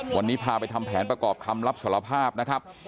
วันนี้พาไปทำแผนประกอบคำรับสารภาพนะครับ